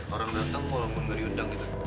orang dateng walaupun gak diundang